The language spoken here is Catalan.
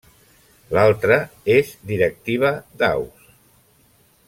L'altra és Directiva d'Aus.